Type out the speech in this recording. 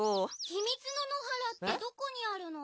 ひみつの野原ってどこにあるの？